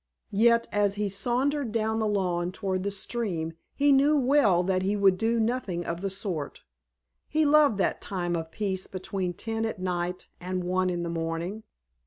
Yet, as he sauntered down the lawn toward the stream, he knew well that he would do nothing of the sort. He loved that time of peace between ten at night and one in the morning.